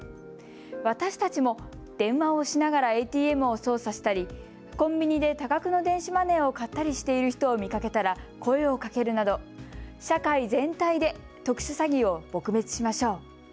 私たちも、電話をしながらＡＴＭを操作したりコンビニで多額の電子マネーを買ったりしている人を見かけたら声をかけるなど、社会全体で特殊詐欺を撲滅しましょう。